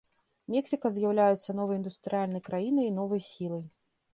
Мексіка з'яўляецца новай індустрыяльнай краінай і новай сілай.